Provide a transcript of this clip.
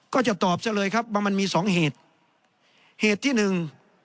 ก็จะตอบซะเลยครับว่ามันมีสองเหตุเหตุที่หนึ่ง